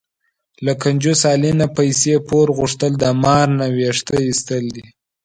له کنجوس علي نه پیسې پور غوښتل، د مار نه وېښته ایستل دي.